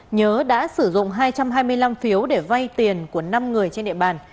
nhớ đã sử dụng hai trăm hai mươi năm phiếu để vay tiền của năm người trên địa bàn